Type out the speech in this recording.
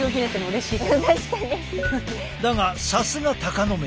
だがさすが鷹の目。